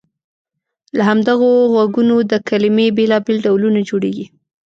له همدغو غږونو د کلمې بېلابېل ډولونه جوړیږي.